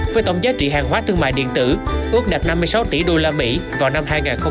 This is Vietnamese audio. với tổng giá trị hàng hóa thương mại điện tử ước đạt năm mươi sáu tỷ usd vào năm hai nghìn hai mươi